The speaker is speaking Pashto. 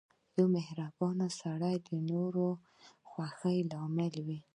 • یو مهربان سړی د نورو د خوښۍ لامل وي.